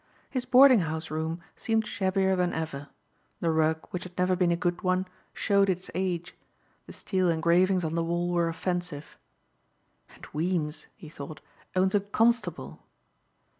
His boarding house room seemed shabbier than ever. The rug, which had never been a good one, showed its age. The steel engravings on the wall were offensive. "And Weems," he thought, "owns a Constable!"